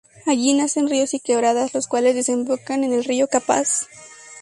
Allí nacen ríos y quebradas, los cuales desembocan en el Río Capaz.